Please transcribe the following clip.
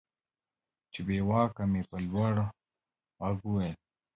چې بېواكه مې په لوړ ږغ وويل.